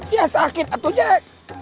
ya sakit atu jack